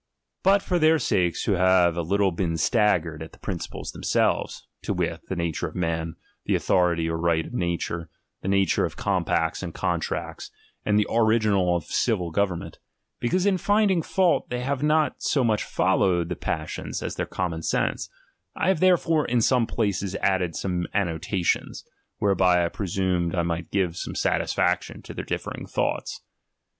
But for their sakes who have a httle been stag ^^■ered at the principles themselves, to wit, the "^^ature of men, the authority or right of nature, tie nature of compacts and contracts, and the 'iriginal of civil government; because in finding ^ault they have not so much followed their pas sions, as their common sense, I have therefore in Some places added some annotations, whereby I presumed I might give some satisfaction to their differing thoughts.